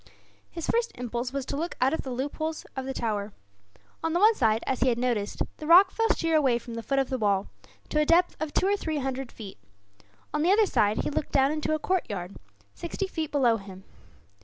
His first impulse was to look out from the loopholes of the tower. On the one side, as he had noticed, the rock fell sheer away from the foot of the wall, to a depth of two or three hundred feet. On the other side he looked down into a courtyard, sixty feet below him.